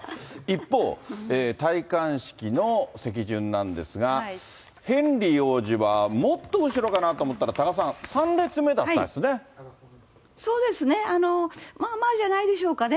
一方、戴冠式の席順なんですが、ヘンリー王子はもっと後ろかなと思ったら、多賀さん、そうですね、まあまあじゃないでしょうかね。